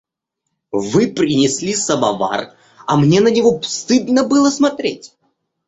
Вы принесли самовар, а мне на него стыдно было смотреть.